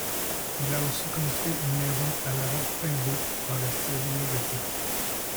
Il a aussi construit une maison à Laroque-Timbaut dans le style néo-gothique.